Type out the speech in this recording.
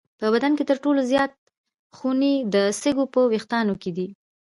په بدن کې تر ټولو زیات خونې د سږو په وېښتانو کې دي.